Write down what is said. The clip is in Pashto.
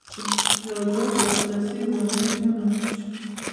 د ازاد لاسرسي وړاندیز ومنل شو.